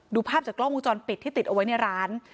ภาพจากกล้องวงจรปิดที่ติดเอาไว้ในร้าน